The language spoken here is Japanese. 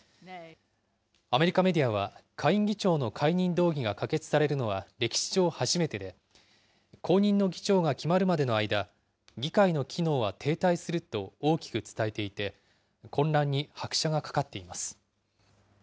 アメリカメディアは、下院議長の解任動議が可決されるのは歴史上初めてで、後任の議長が決まるまでの間、議会の機能は停滞すると大きく伝えていて、混乱に拍車がかかっています。